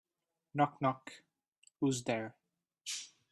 Knock knock! Who's there?